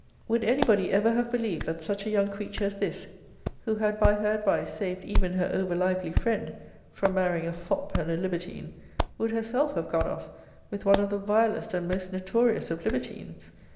Would any body ever have believed that such a young creature as this, who had by her advice saved even her over lively friend from marrying a fop, and a libertine, would herself have gone off with one of the vilest and most notorious of libertines?